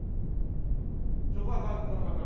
そこは外国の方の。